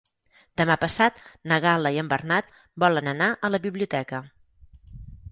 Demà passat na Gal·la i en Bernat volen anar a la biblioteca.